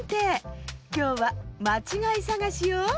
きょうはまちがいさがしよ。